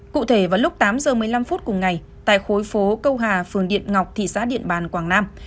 cụ thể vào lúc tám giờ một mươi năm phút cùng ngày tại khối phố câu hà phường điện ngọc thị xã điện bàn quảng nam